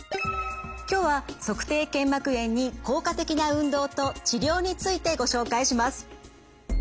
今日は足底腱膜炎に効果的な運動と治療についてご紹介します。